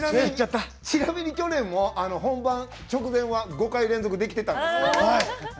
ちなみに去年も本番直前は５回連続できてたんで。